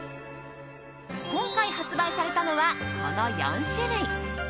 今回発売されたのは、この４種類。